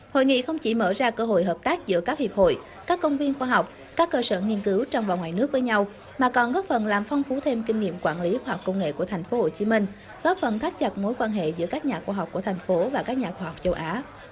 hội nghị không chỉ mở ra cơ hội hợp tác giữa các hiệp hội các công viên khoa học các cơ sở nghiên cứu trong và ngoài nước với nhau mà còn góp phần làm phong phú thêm kinh nghiệm quản lý khoa học công nghệ của tp hcm góp phần thắt chặt mối quan hệ giữa các nhà khoa học của thành phố và các nhà khoa học châu á